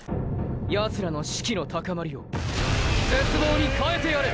ヤツらの士気の高まりを絶望にかえてやれ！！